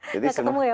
tidak ketemu ya pak ya